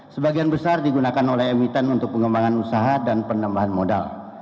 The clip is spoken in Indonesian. sebagian besar digunakan oleh emiten untuk pengembangan usaha dan penambahan modal